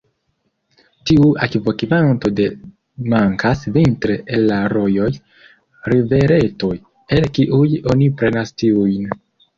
Tiu akvokvanto do mankas vintre el la rojoj, riveretoj, el kiuj oni prenas tiujn.